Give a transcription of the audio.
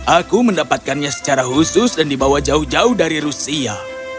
aku mendapatkannya secara khusus dan dibawa jauh jauh dari rusia